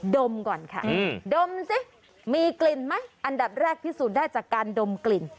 มก่อนค่ะดมสิมีกลิ่นไหมอันดับแรกพิสูจน์ได้จากการดมกลิ่น